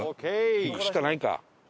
行くしかないか。